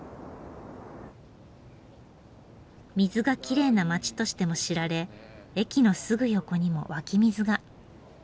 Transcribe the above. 水がきれいな街としても知られ駅のすぐ横にも湧き水が。